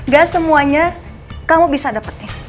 gak semuanya kamu bisa dapetin